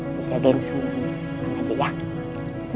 ngejagain semua emang aja ya